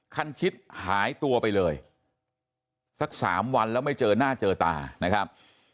คันชิดหายตัวไปเลยสักสามวันแล้วไม่เจอหน้าเจอตานะครับ